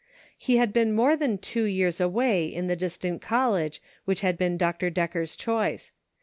He had been more than two years away in the distant college whicn had HOME. 295 been Dr. Decker's choice.